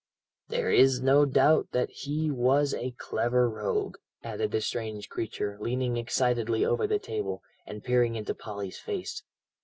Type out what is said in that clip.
"There's no doubt that he was a clever rogue," added the strange creature, leaning excitedly over the table, and peering into Polly's face.